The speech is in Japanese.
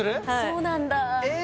そうなんだええ